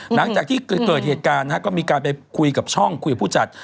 หลังจากที่เกิดเหตุการณ์ก็มีการไปคุยกับช่องคุยกับผู้จัด